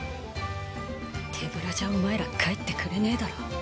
手ぶらじゃお前ら帰ってくれねぇだろ。